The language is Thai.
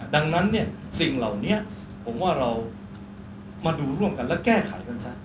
ดังนั้นเนี่ยสิ่งเหล่านี้ผมว่าเรามาดูร่วมกันและแก้ไขกันซะ